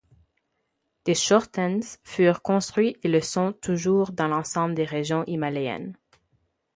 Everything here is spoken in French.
Des chörtens furent construits et le sont toujours dans l'ensemble des régions himalayennes.